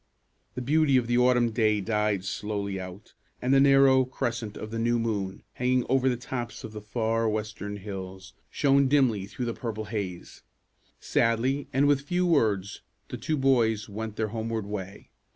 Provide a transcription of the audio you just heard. The beauty of the autumn day died slowly out, and the narrow crescent of the new moon, hanging over the tops of the far western hills, shone dimly through the purple haze. Sadly and with few words the two boys went their homeward way.